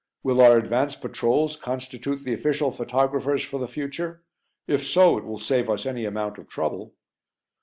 Will our advance patrols constitute the official photographers for the future? If so, it will save us any amount of trouble."